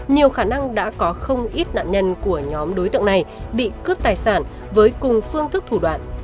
nhiều khả năng đã có không ít nạn nhân của nhóm đối tượng này bị cướp tài sản với cùng phương thức thủ đoạn